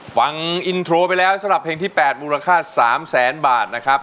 ฟังอินโทรไปแล้วสำหรับเพลงที่๘มูลค่า๓แสนบาทนะครับ